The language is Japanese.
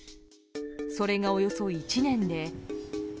それが、およそ１年で。